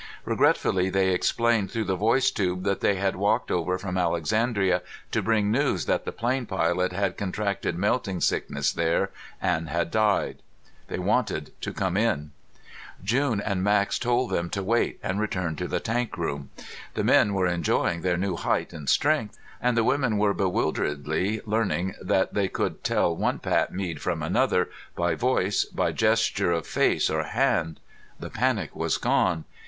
Regretfully, they explained through the voice tube that they had walked over from Alexandria to bring news that the plane pilot had contracted melting sickness there and had died. They wanted to come in. June and Max told them to wait and returned to the tank room. The men were enjoying their new height and strength, and the women were bewilderedly learning that they could tell one Pat Mead from another, by voice, by gesture of face or hand. The panic was gone.